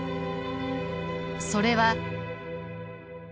それは。